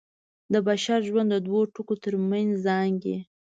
د بشر ژوند د دوو ټکو تر منځ زانګي.